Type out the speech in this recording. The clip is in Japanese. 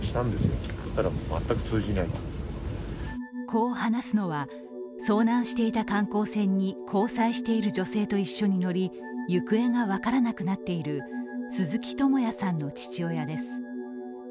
こう話すのは、遭難していた観光船に交際している女性と一緒に乗り行方が分からなくなっている鈴木智也さんの父親です。